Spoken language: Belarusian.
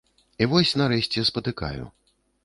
І вось нарэшце спатыкаю.